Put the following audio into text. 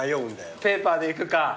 ペーパーでいくか。